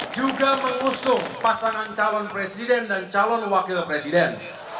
juga mengusung pasangan calon presiden dan calon wakil presiden